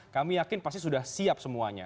kami yakin pasti sudah siap semuanya